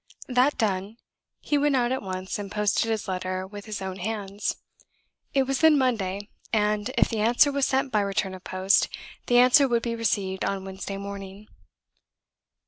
That done, he went out at once, and posted his letter with his own hands. It was then Monday; and, if the answer was sent by return of post, the answer would be received on Wednesday morning.